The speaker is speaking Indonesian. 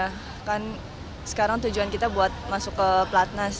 bahkan sekarang tujuan kita buat masuk ke pelatnas